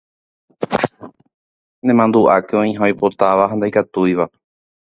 Nemandu'áke oĩha oipotáva ha ndaikatúiva.